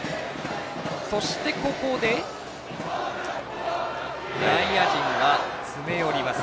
そして、ここで内野陣が詰め寄ります。